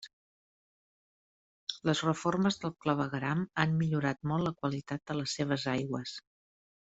Les reformes del clavegueram han millorat molt la qualitat de les seves aigües.